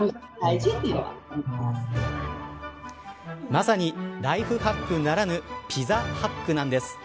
まさにライフハックならぬピザハックなんです。